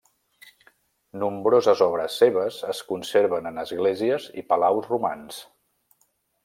Nombroses obres seves es conserven en esglésies i palaus romans.